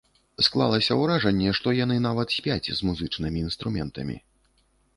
Склалася ўражанне, што яны нават спяць з музычнымі інструментамі.